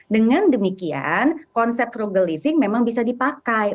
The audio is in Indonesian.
dengan demikian konsep rugal living memang bisa dipakai